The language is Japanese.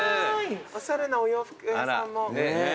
おしゃれなお洋服屋さんも。